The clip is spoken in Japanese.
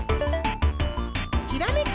ひらめき！